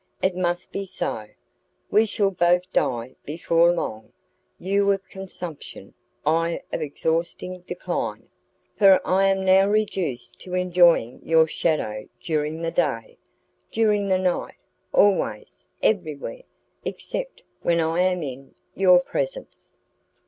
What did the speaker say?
It must be so; we shall both die before long, you of consumption, I of exhausting decline; for I am now reduced to enjoying your shadow during the day, during the night, always, everywhere, except when I am in your presence."